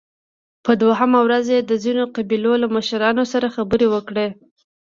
په دوهمه ورځ يې د ځينو قبيلو له مشرانو سره خبرې وکړې